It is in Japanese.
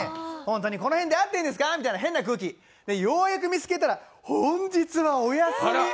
この辺であってるんですか？って変な空気、ようやく見つけたら本日はお休み。